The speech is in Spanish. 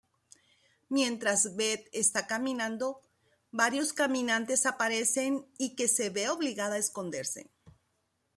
Mientras Beth está caminando, varios caminantes aparecen y que se ve obligada a esconderse.